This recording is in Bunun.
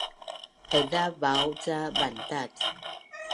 Haiza vaau’ ca bantac